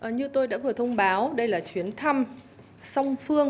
như tôi đã vừa thông báo đây là chuyến thăm song phương